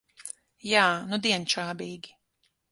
Jā, nudien čābīgi.